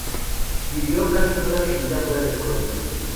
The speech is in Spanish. Vivió casi toda su vida fuera de Polonia.